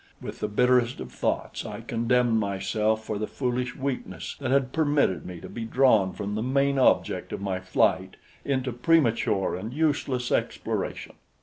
With the bitterest of thoughts I condemned myself for the foolish weakness that had permitted me to be drawn from the main object of my flight into premature and useless exploration.